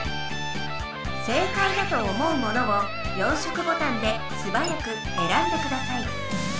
正解だと思うものを４色ボタンですばやくえらんでください。